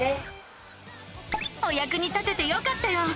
おやくに立ててよかったよ！